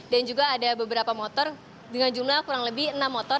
dan juga ada beberapa motor dengan jumlah kurang lebih enam motor